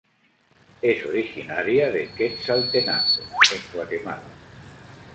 Es originaria de Quetzaltenango en Guatemala.